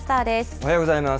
おはようございます。